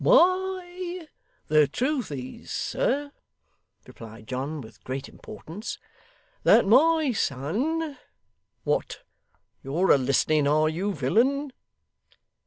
'Why, the truth is, sir,' replied John with great importance, 'that my son what, you're a listening are you, villain?